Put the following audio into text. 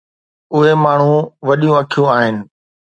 اهي ماڻهو وڏيون اکيون آهن